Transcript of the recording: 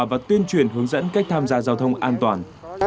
và tuyên truyền hướng dẫn cách tham gia giao thông an toàn